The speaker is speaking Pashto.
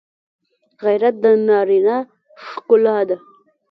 غیرت د نارینه ښکلا ده